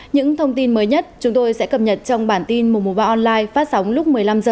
những thông tin mới nhất chúng tôi sẽ cập nhật trong bản tin mùa mùa ba online phát sóng lúc một mươi năm h